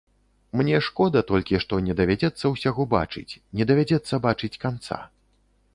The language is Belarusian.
Мне шкода толькі, што не давядзецца ўсяго бачыць, не давядзецца бачыць канца.